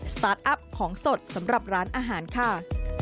ตาร์ทอัพของสดสำหรับร้านอาหารค่ะ